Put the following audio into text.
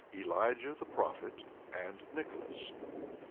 ELIJAH THE PROPHET AND NICHOLAS.